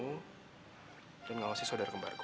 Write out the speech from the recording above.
ngawasi kamu dan ngawasi saudara kembar gue